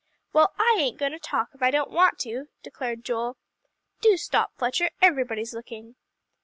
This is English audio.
"Well, I ain't going to talk, if I don't want to," declared Joel. "Do stop, Fletcher; everybody's looking."